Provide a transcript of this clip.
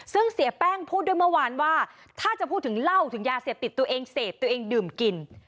ซึ่งเสียแป้งพูดด้วยเมื่อวานว่าถ้าจะพูดถึงเหล้าถึงยาเสพติดตัวเองเสพตัวเองดื่มกิน